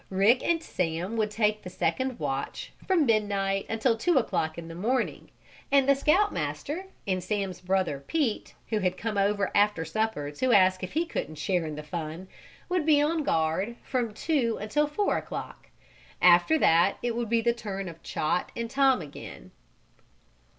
Rick and Sam would take the second watch, from midnight until 2 o'clock in the morning, and the Scout Master, and Sam's brother, Pete, who had come over after supper to ask if he couldn't share in the fun, would be on guard from two until four o'clock. After that it would be the turn of Chot and Tom again.